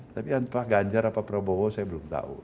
tapi anpa ganjar atau prabowo saya belum tahu